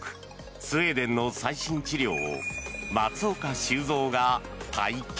スウェーデンの最新治療を松岡修造が体験。